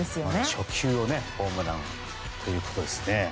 初球をホームランということですね。